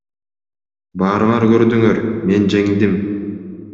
Баарыңар көрдүңөр, мен жеңдим.